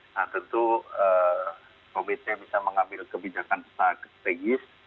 nah tentu komite bisa mengambil kebijakan strategis